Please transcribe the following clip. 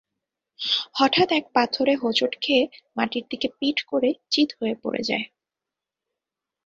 হঠাৎ এক পাথরে হোঁচট খেয়ে মাটির দিকে পিঠ করে চিত হয়ে পড়ে যায়।